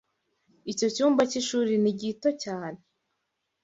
Icyo cyumba cy'ishuri ni gito cyane.